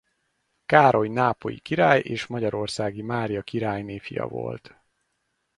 Károly nápolyi király és Magyarországi Mária királyné fia volt.